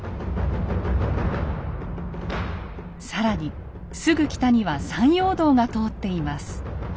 更にすぐ北には山陽道が通っています。